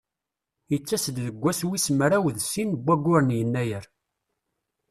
Yettas-d deg wass wis mraw d sin n wayyur n Yennayer.